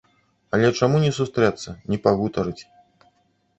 Але чаму не сустрэцца, не пагутарыць.